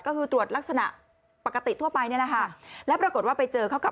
ก็คือตรวจลักษณะปกติทั่วไปนี่แหละค่ะแล้วปรากฏว่าไปเจอเขาก็